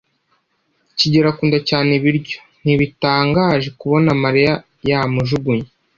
kigeli akunda cyane ibiryo. Ntibitangaje kubona Mariya yamujugunye!